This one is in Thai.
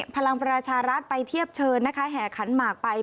พลังประชารัฐไปเทียบเชิญนะคะแห่ขันหมากไป